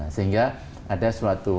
sehingga ada suatu